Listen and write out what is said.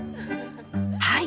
はい。